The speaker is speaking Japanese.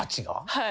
はい。